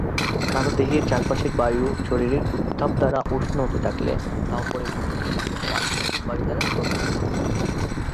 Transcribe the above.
কারও দেহের চারপাশের বায়ু শরীরের উত্তাপ দ্বারা উষ্ণ হতে থাকলে তা ওপরে উঠে যাবে ও আশেপাশের বায়ু দ্বারা প্রতিস্থাপিত হবে।